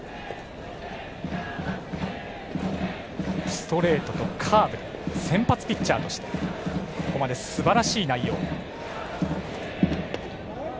ストレートとカーブで先発ピッチャーとしてここまで、すばらしい内容。